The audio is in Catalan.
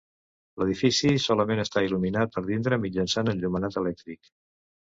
L'edifici solament està il·luminat per dintre mitjançant enllumenat elèctric.